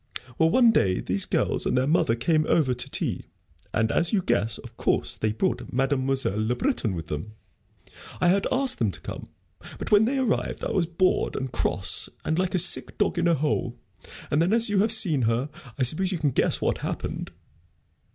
Well, one day these girls and their mother came over to tea, and, as you guess, of course, they brought Mademoiselle Le Breton with them. I had asked them to come, but when they arrived I was bored and cross, and like a sick dog in a hole. And then, as you have seen her, I suppose you can guess what happened."